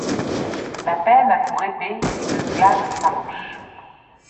La peine a pour épée une flamme farouche ;